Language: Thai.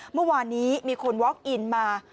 เมื่อวานนี้มีคนวอคอินมา